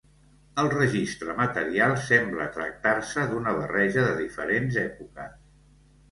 El registre material sembla tractar-se d'una barreja de diferents èpoques.